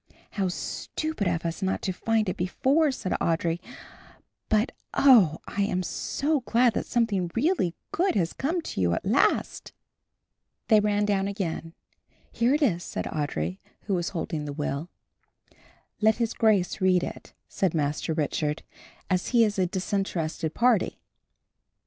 "How stupid of us not to find it before," said Audry, "but, oh, I am so glad that something really good has come to you at last." They ran down again. "Here it is," said Audry, who was holding the will. "Let his Grace read it," said Master Richard, "as he is a disinterested party."